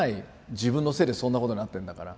自分のせいでそんなことになってんだから。